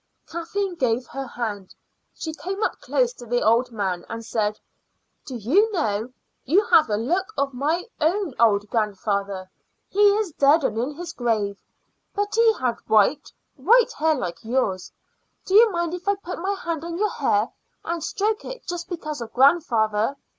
Kathleen gave her hand. She came up close to the old man and said: "Do you know, you have a look of my own old grandfather. He is dead and in his grave; but he had white, white hair like yours. Do you mind if I put my hand on your hair and stroke it just because of grandfather?"